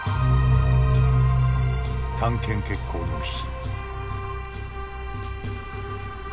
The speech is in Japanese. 探検決行の日。